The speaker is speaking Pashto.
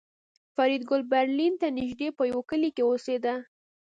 فریدګل برلین ته نږدې په یوه کلي کې اوسېده